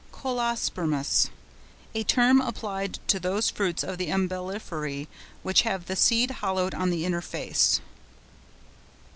CŒLOSPERMOUS.—A term applied to those fruits of the Umbelliferæ which have the seed hollowed on the inner face.